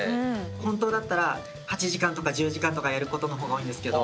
本当だったら８時間とか１０時間とかやることの方が多いんですけど。